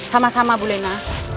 sama sama bu lena